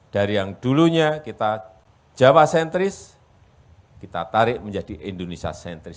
dari yang dulunya kita jawa sentris kita tarik menjadi indonesia sentris